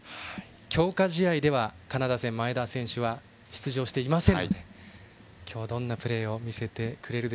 強化試合では前田選手は出場していませんので今日、どんなプレーを見せるか。